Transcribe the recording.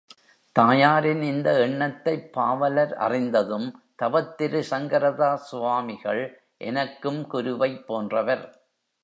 தாயாரின் இந்த எண்ணத்தைப் பாவலர் அறிந்ததும், தவத்திரு சங்கரதாஸ் சுவாமிகள் எனக்கும் குருவைப் போன்றவர்.